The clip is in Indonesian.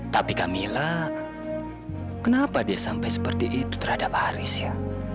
tapi kak mila kenapa dia sampai seperti itu terhadap haris ya